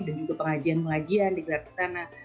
dan juga pengajian pengajian dikejar ke sana